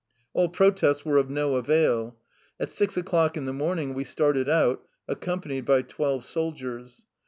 All protests were of no avail. At six o'clock in the morning we started out, accompanied by twelve soldiers.